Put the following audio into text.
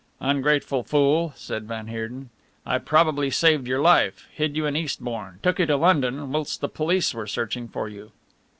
"Ungrateful fool!" said van Heerden. "I probably saved your life hid you in Eastbourne, took you to London, whilst the police were searching for you."